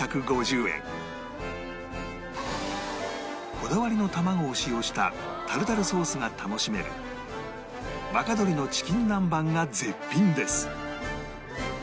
こだわりの卵を使用したタルタルソースが楽しめる若鶏のチキン南蛮が絶品です